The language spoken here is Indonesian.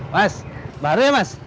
mas baru ya mas